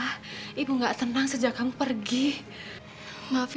kita mau nganterin aziza lah mau ngapain lagi